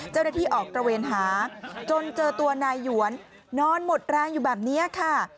เจ้าหน้าที่ออกตระเวนหาจนเจอตัวนายหยวนนอนหมดแรงอยู่แบบนี้ค่ะ